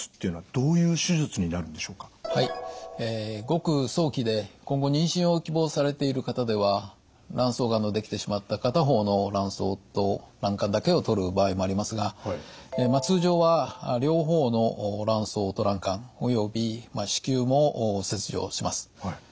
ごく早期で今後妊娠を希望されている方では卵巣がんの出来てしまった片方の卵巣と卵管だけを取る場合もありますが通常は両方の卵巣と卵管および子宮も切除します。